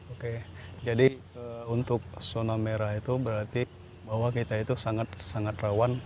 oke jadi untuk zona merah itu berarti bahwa kita itu sangat sangat rawan